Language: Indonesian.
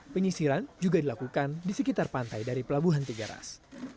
penyisiran juga dilakukan di sekitar pantai dari pelabuhan tiga ras